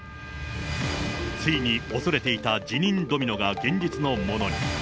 ついに恐れていた辞任ドミノが現実のものに。